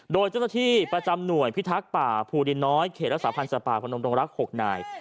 โดยเจ้าหน้าที่ประจำหน่วยพิทักษ์ป่าภูดินน้อยเขตรักษาพันธ์สัตว์ป่าพนมดงรัก๖นาย